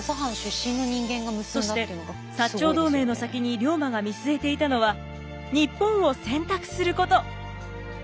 そして長同盟の先に龍馬が見据えていたのは日本を洗濯すること。